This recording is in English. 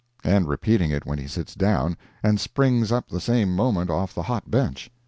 "—and repeating it when he sits down, and springs up the same moment off the hot bench.